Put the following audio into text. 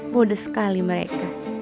bode sekali mereka